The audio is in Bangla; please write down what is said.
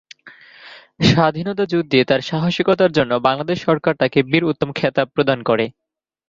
স্বাধীনতা যুদ্ধে তার সাহসিকতার জন্য বাংলাদেশ সরকার তাকে বীর উত্তম খেতাব প্রদান করে।